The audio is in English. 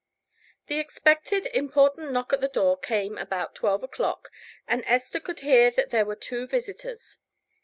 The expected important knock at the door came about twelve o'clock, and Esther could hear that there were two visitors.